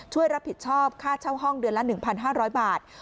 ช่วยรับผิดชอบค่าเช่าห้องเดือนละ๑๕๐๐บาท